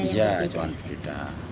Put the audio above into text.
iya cuma berbeda